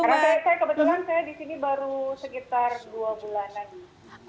karena saya kebetulan disini baru sekitar dua bulan lagi